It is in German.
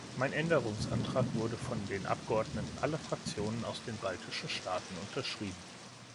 Mein Änderungsantrag wurde von den Abgeordneten aller Fraktionen aus den baltischen Staaten unterschrieben.